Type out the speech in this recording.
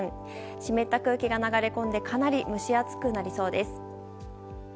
湿った空気が流れ込んでかなり蒸し暑くなりそうです。